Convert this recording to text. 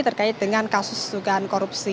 terkait dengan kasus dugaan korupsi